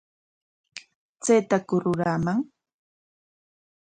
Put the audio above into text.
¿Chaytaku ruraaman?